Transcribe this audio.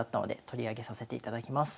取り上げさせていただきます。